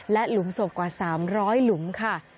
และหลุมศพกว่า๓๐๐หลุมค่ะ